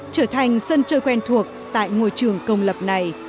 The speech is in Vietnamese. trở thành sân chơi quen thuộc tại ngôi trường công lập này